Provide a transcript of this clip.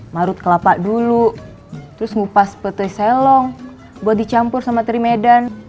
marut kelapa dulu terus ngupas petai selong buat dicampur sama terimedan